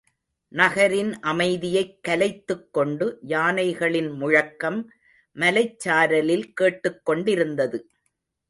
நகரின் அமைதியைக் கலைத்துக் கொண்டு யானைகளின் முழக்கம் மலைச்சாரலில் கேட்டுக் கொண்டிருந்தது.